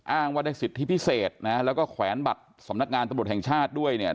อ้างว่าได้สิทธิพิเศษนะแล้วก็แขวนบัตรสำนักงานตำรวจแห่งชาติด้วยเนี่ย